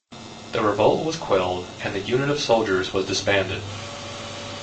The revolt was quelled and the unit of soldiers was disbanded.